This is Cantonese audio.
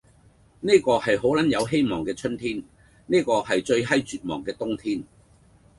呢個係好撚有希望嘅春天，呢個係最閪絕望嘅冬天，